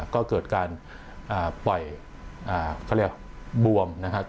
ก็เกิดการปล่อยเขาเรียกบวมนะครับ